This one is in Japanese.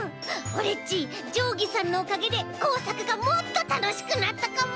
オレっちじょうぎさんのおかげでこうさくがもっとたのしくなったかも！